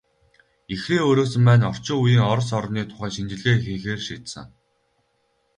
Ихрийн өрөөсөн маань орчин үеийн Орос орны тухай шинжилгээ хийхээр шийдсэн.